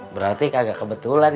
berarti kagak kebetulan